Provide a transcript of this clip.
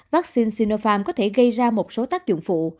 vaccine sinopharm có thể gây ra một số tác dụng phụ